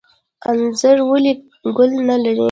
انځر ولې ګل نلري؟